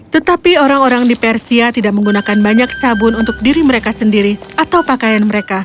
tetapi orang orang di persia tidak menggunakan banyak sabun untuk diri mereka sendiri atau pakaian mereka